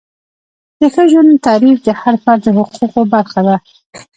د ښه ژوند تعریف د هر فرد د حقوقو برخه ده.